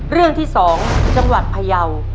เรื่องที่๒จังหวัดพยาว